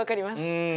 うん。